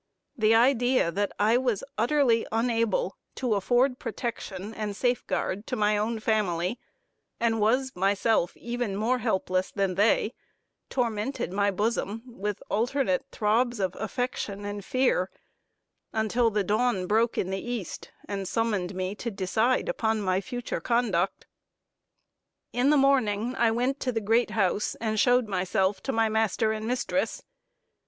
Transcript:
The idea that I was utterly unable to afford protection and safeguard to my own family, and was myself even more helpless than they, tormented my bosom with alternate throbs of affection and fear, until the dawn broke in the East, and summoned me to decide upon my future conduct. In the morning I went to the great house and showed myself to my master and mistress.